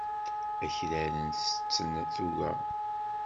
Akraren ttetten tuga.